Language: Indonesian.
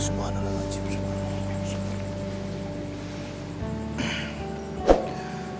subhanallah ya rabbi hamd subhanallah rajim subhanallah rajim